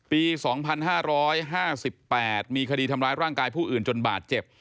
ปี๒๕๕๘มีคดีทำร้ายร่างกายผู้อื่นจนบาดเจ็บ